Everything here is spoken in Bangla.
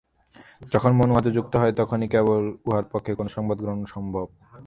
যখন মন উহাতে যুক্ত হয়, তখনই কেবল উহার পক্ষে কোন সংবাদগ্রহণ সম্ভব।